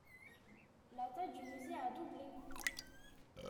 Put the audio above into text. La taille du musée a doublé.